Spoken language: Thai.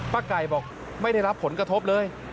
ไก่บอกไม่ได้รับผลกระทบเลย